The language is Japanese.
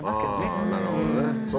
ああなるほどね。